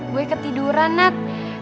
gue ketiduran nat